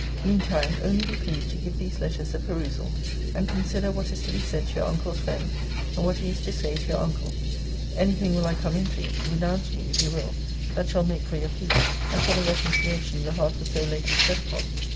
Mean time, only be pleased to give these letters a perusal, and consider what is to be said to your uncle's friend, and what he is to say to your uncle. Any thing will I come into, (renounce me, if you will,) that shall make for your peace, and for the reconciliation your heart was so lately set upon.